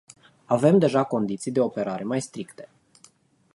Avem deja condiții de operare mai stricte.